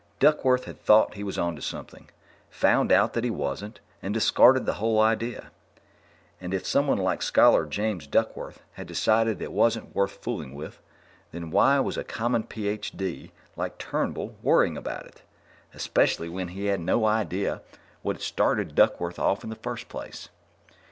Duckworth had thought he was on to something, found out that he wasn't, and discarded the whole idea. And if someone like Scholar James Duckworth had decided it wasn't worth fooling with, then why was a common Ph. D. like Turnbull worrying about it? Especially when he had no idea what had started Duckworth off in the first place.